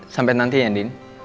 sampai nanti ya din